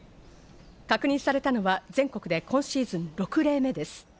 確認されたのは全国で今シーズン６例目です。